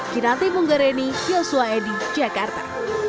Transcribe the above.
kira timung gareni yosua edy jakarta